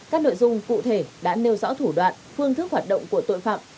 các nội dung cụ thể đã nêu rõ thủ đoạn phương thức hoạt động của tội phạm